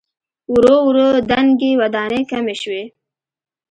ورو ورو دنګې ودانۍ کمې شوې.